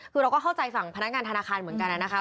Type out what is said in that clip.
คือเราก็เข้าใจฝั่งพนักงานธนาคารเหมือนกันนะคะ